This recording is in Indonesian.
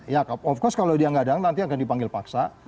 ya cup of course kalau dia nggak datang nanti akan dipanggil paksa